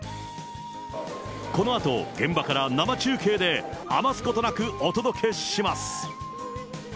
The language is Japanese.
このあと現場から生中継で余すことなくお届けします。